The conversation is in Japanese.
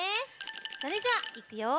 それじゃあいくよ。